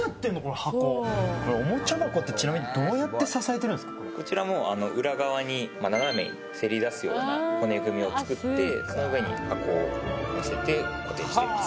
これおもちゃ箱ってちなみにこちらもうあの裏側に斜めにせり出すような骨組みを作ってその上に箱をのせて固定しています